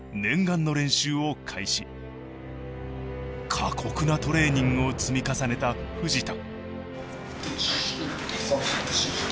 過酷なトレーニングを積み重ねた藤田。